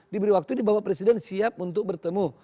diberi waktu ini bapak presiden siap untuk bertemu